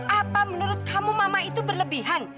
apa menurut kamu mama itu berlebihan